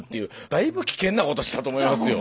だいぶ危険なことしたと思いますよ。